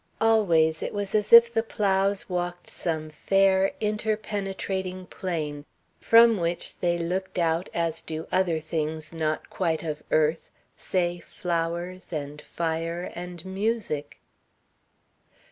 Always it was as if the Plows walked some fair, inter penetrating plane, from which they looked out as do other things not quite of earth, say, flowers and fire and music.